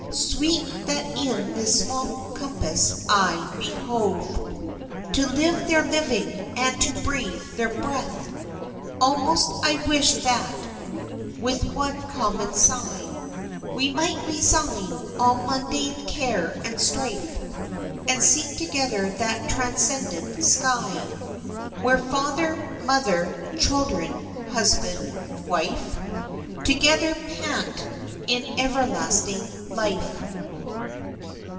Sweet that in this small compass I behove To live their living and to breathe their breath! Almost I wish that, with one common sigh, We might resign all mundane care and strife, And seek together that transcendent sky, Where Father, Mother, Children, Husband, Wife, Together pant in everlasting life!